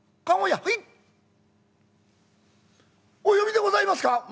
お呼びでございますか」。